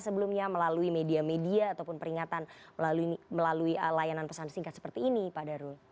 sebelumnya melalui media media ataupun peringatan melalui layanan pesan singkat seperti ini pak darul